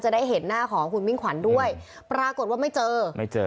ได้เห็นหน้าของคุณมิ่งขวัญด้วยปรากฏว่าไม่เจอไม่เจอ